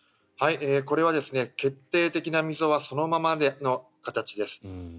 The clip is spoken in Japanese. これは決定的な溝はそのままの形です。